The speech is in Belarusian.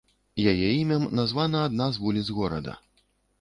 Яе імем названа адна з вуліц горада.